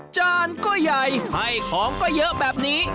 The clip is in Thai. จานก็ใหญ่ให้ของก็เยอะแบบนี้